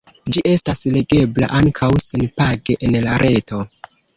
Ĝi estas legebla ankaŭ senpage en la reto.